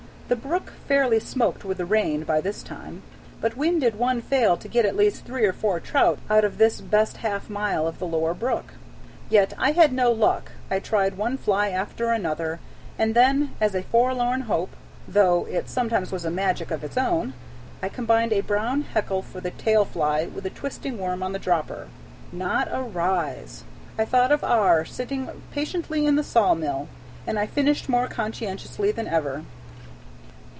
The brook fairly smoked with the rain, by this time, but when did one fail to get at least three or four trout out of this best half mile of the lower brook? Yet I had no luck I tried one fly after another, and then, as a forlorn hope, though it sometimes has a magic of its own, I combined a brown hackle for the tail fly with a twisting worm on the dropper. Not a rise! I thought of E. sitting patiently in the saw mill, and I fished more conscientiously than ever.